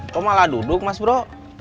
kok malah duduk mas bro